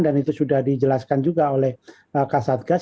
dan itu sudah dijelaskan juga oleh ksatgas